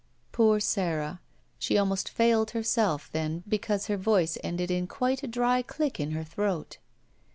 Poor Sara, she almost failed herself then because her voice ended in quite a dry click in her throat.